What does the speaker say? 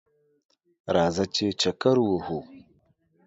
راځه ! چې چکر ووهو